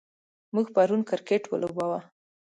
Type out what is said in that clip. موږ پرون کرکټ ولوباوه.